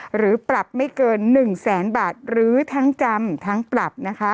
หรือปรับไม่เกิน๑แสนบาทหรือทั้งจำทั้งปรับนะคะ